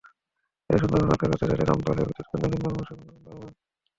তাই সুন্দরবন রক্ষা করতে চাইলে রামপালে বিদ্যুৎকেন্দ্র নির্মাণ অবশ্যই বন্ধ করতে হবে।